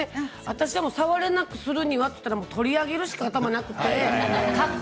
私が触れなくするにはといったら取り上げるしかなくて。